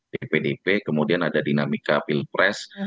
di pdp kemudian ada dinamika pilpres